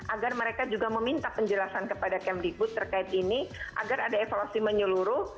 agar mereka juga meminta penjelasan kepada kemdikbud terkait ini agar ada evaluasi menyeluruh